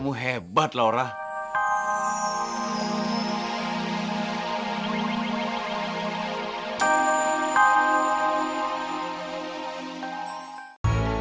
aku tuh baru mau pulang kalo